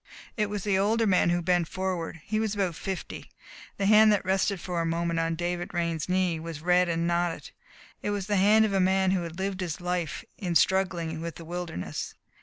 It was the older man who bent forward. He was about fifty. The hand that rested for a moment on David Raine's knee was red and knotted. It was the hand of a man who had lived his life in struggling with the wilderness.